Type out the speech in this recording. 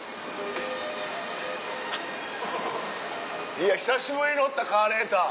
いや久しぶりに乗ったカーレーター。